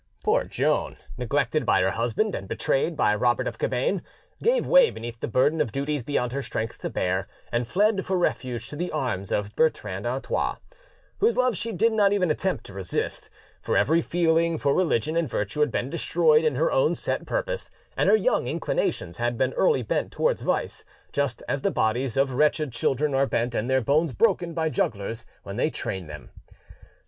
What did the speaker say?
Poor Joan,—neglected by her husband and betrayed by Robert of Cabane— gave way beneath the burden of duties beyond her strength to bear, and fled for refuge to the arms of Bertrand of Artois, whose love she did not even attempt to resist; for every feeling for religion and virtue had been destroyed in her own set purpose, and her young inclinations had been early bent towards vice, just as the bodies of wretched children are bent and their bones broken by jugglers when they train them.